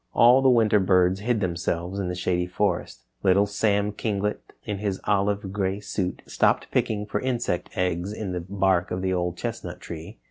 All the winter birds hid themselves in the Shady Forest. Little Sam Kinglet, in his olive gray suit, stopped picking for insect eggs in the bark of the Old Chestnut Tree.